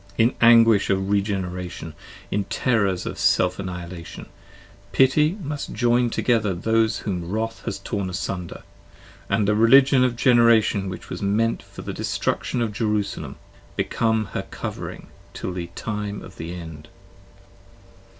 In anguish of regeneration : in terrors of self annihilation: Pity must join together those whom wrath has torn in sunder; And the Religion of Generation which was meant for the destruction Of Jerusalem, become her covering, till the time of the End.